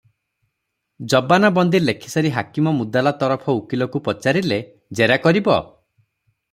ଜବାନବନ୍ଦି ଲେଖିସାରି ହାକିମ ମୁଦାଲା ତରଫ ଉକୀଲକୁ ପଚାରିଲେ, "ଜେରା କରିବ?"